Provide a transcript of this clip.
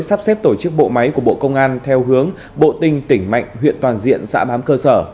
sắp xếp tổ chức bộ máy của bộ công an theo hướng bộ tinh tỉnh mạnh huyện toàn diện xã bám cơ sở